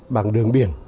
bằng đường biển